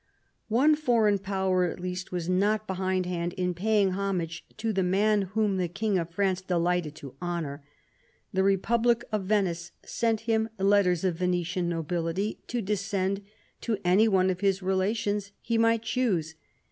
One foreign Power, at least, was not behindhand in paying homage to the man whom the King of France delighted to honour. The Republic of Venice sent him letters of Venetian nobility, to descend to any one of his relations he might choose.